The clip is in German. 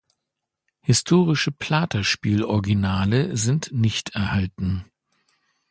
Historische Platerspiel-Originale sind nicht erhalten.